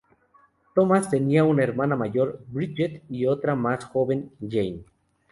Thomas tenía una hermana mayor, Bridget, y otra más joven, Jane.